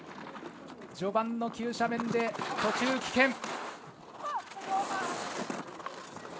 序盤の急斜面で途中棄権。